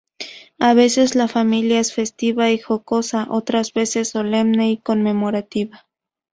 A veces, la familia es festiva y jocosa; otras veces, solemne y conmemorativa.